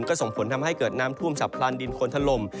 ก็ส่งผลทำให้เกิดน้ำท่วมฉับพลันดินคนถล่ม